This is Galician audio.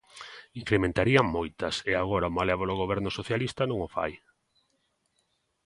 Incrementarían moitas e agora o malévolo Goberno socialista non o fai.